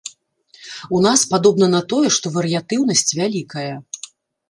У нас падобна на тое, што варыятыўнасць вялікая.